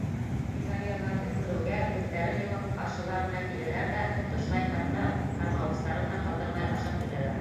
Физалияларҙы күреүгә, күҙҙәрен йомоп, ҡаршыларына киләләр ҙә, тотошлай, хатта ҡармауыстарын да ҡалдырмай, ашап бөтәләр.